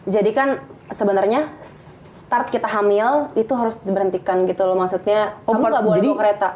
jadi kan sebenarnya start kita hamil itu harus diberhentikan gitu loh maksudnya kamu gak boleh bawa kereta